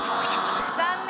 残念。